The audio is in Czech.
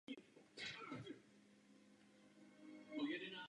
Mistrovství se zúčastnilo rekordních sedmnáct mužstev.